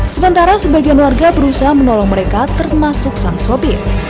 sementara sebagian warga berusaha menolong mereka termasuk sang sopir